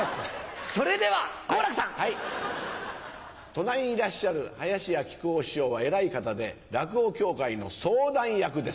隣にいらっしゃる林家木久扇師匠は偉い方で落語協会の相談役です。